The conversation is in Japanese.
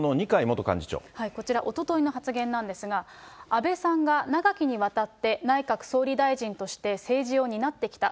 こちら、おとといの発言なんですが、安倍さんが長きにわたって内閣総理大臣として政治を担ってきた。